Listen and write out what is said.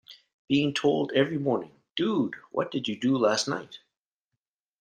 Being told every morning, Dude, what did you do last night?